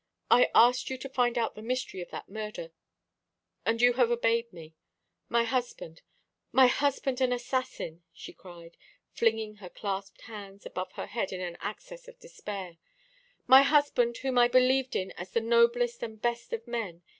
"I asked you to find out the mystery of that murder, and you have obeyed me. My husband my husband an assassin!" she cried, flinging her clasped hands above her head in an access of despair; "my husband, whom I believed in as the noblest and best of men.